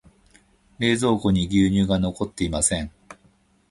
冷蔵庫に牛乳が残っていません。